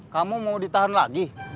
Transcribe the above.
kamu mau ditahan lagi